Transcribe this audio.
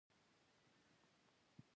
تر خوړو وروسته مې لږ خواږه هم راواخیستل.